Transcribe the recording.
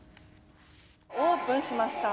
オープンしました。